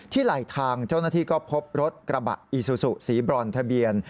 ไหลทางเจ้าหน้าที่ก็พบรถกระบะอีซูซูสีบรอนทะเบียน